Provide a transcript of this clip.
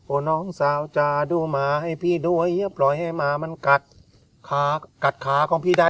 โอ้น้องสาวจ้าดูมาให้พี่ด้วยหยับกล่อยให้งามันกัดขาของพี่ได้